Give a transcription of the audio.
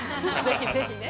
◆ぜひね。